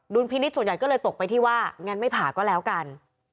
พินิษฐ์ส่วนใหญ่ก็เลยตกไปที่ว่างั้นไม่ผ่าก็แล้วกัน